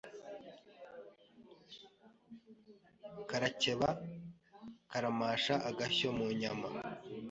Karakeba karamashaAgashyo mu nyama